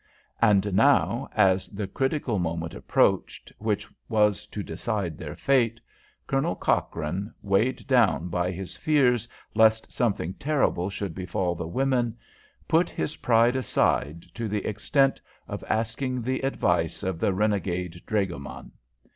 And now, as the critical moment approached which was to decide their fate, Colonel Cochrane, weighed down by his fears lest something terrible should befall the women, put his pride aside to the extent of asking the advice, of the renegade dragoman.